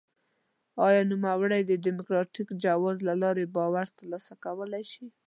آیا نوموړی د ډیموکراټیک جواز له لارې باور ترلاسه کولای شي؟